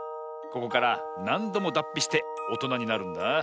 ここからなんどもだっぴしておとなになるんだ。